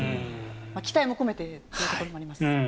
期待を込めてというところもあります。